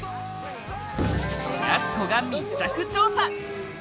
やす子が密着調査！